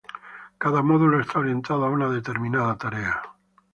Cada módulo está orientado a una determinada tarea.